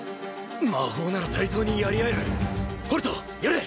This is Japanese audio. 魔法なら対等にやり合えるホルトやれ！